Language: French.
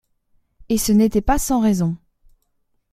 Et ce n’était pas sans raison!